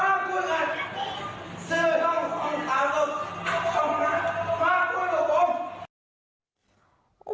ซึ่งต้องมีความรักมากกว่าใจกับผม